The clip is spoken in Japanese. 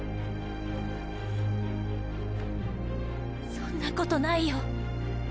そんなことないよ。